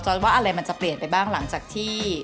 ว่าอะไรมันจะเปลี่ยนไปบ้างหลังจากที่